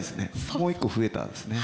もう一個増えたんですね。